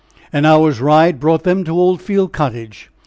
An hour's ride brought them to Old Field Cottage.